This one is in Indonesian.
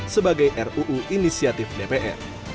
sebagai ruu inisiatif dpr